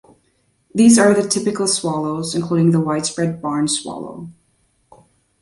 These are the typical swallows, including the widespread barn swallow.